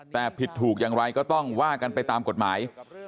แต่ผิดถูกอย่างไรก็ต้องว่ากันไปตามกฎหมาย